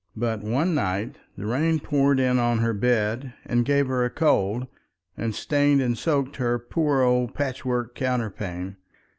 But one night the rain poured in on her bed and gave her a cold, and stained and soaked her poor old patchwork counterpane.